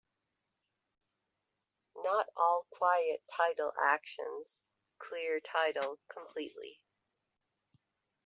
Not all quiet title actions "clear title" completely.